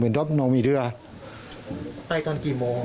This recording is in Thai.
ประมาณตุ๋มหนึ่ง